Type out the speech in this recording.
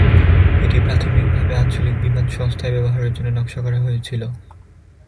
এটি প্রাথমিকভাবে আঞ্চলিক বিমান সংস্থায় ব্যবহারের জন্য নকশা করা হয়েছিল।